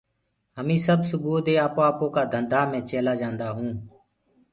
همي سب سُبوُئو دي آپو آپو ڪآ ڌندآ مي چيلآ جانٚدآ هونٚ